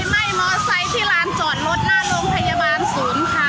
ไหม้มอไซค์ที่ลานจอดรถหน้าโรงพยาบาลศูนย์ค่ะ